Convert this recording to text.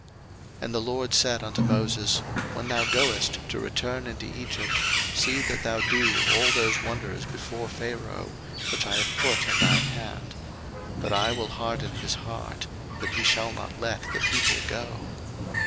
02:004:021 And the LORD said unto Moses, When thou goest to return into Egypt, see that thou do all those wonders before Pharaoh, which I have put in thine hand: but I will harden his heart, that he shall not let the people go.